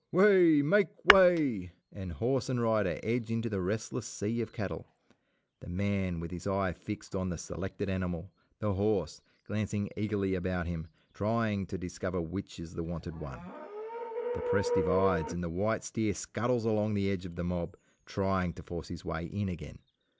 Way! make way! and horse and rider edge into the restless sea of cattle, the man with his eye fixed on the selected animal, the horse, glancing eagerly about him, trying to discover which is the wanted one. The press divides and the white steer scuttles along the edge of the mob trying to force his way in again.